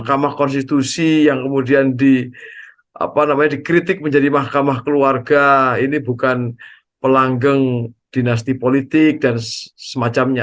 apa namanya dikritik menjadi mahkamah keluarga ini bukan pelanggeng dinasti politik dan semacamnya